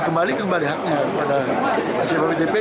kembali kembali haknya pada persebaya btpi